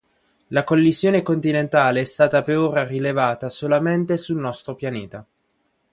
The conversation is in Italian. La collisione continentale è stata per ora rilevata solamente sul nostro pianeta.